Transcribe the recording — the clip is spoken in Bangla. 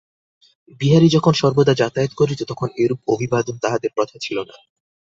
বিহারী যখন সর্বদা যাতায়াত করিত তখন এরূপ অভিবাদন তাহাদের প্রথা ছিল না।